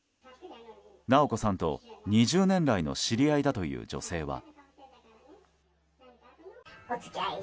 直子さんと２０年来の知り合いだという女性は。